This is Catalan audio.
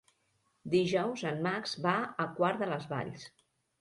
Dijous en Max va a Quart de les Valls.